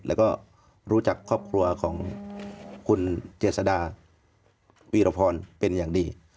แล้วก็รู้จักครอบครัวของคุณเจษดาวีรพรเป็นอย่างดี